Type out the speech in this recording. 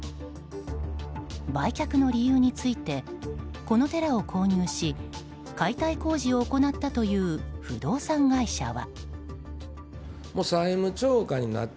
売却の理由についてこの寺を購入し解体工事を行ったという不動産会社は。